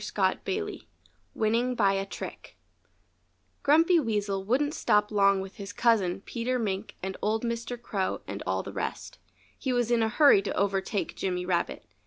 (Page 58)] XII WINNING BY A TRICK Grumpy Weasel wouldn't stop long with his cousin, Peter Mink, and old Mr. Crow and all the rest. He was in a hurry to overtake Jimmy Rabbit.